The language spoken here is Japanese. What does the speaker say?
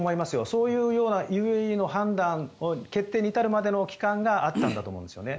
そういうＵＡＥの判断決定に至るまでの期間があったんだと思うんですよね。